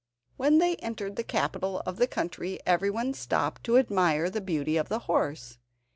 When they entered the capital of the country everyone stopped to admire the beauty of the horse.